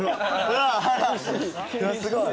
すごい。